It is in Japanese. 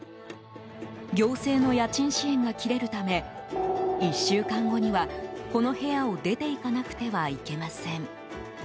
行政の家賃支援が切れるため１週間後にはこの部屋を出て行かなくてはいけません。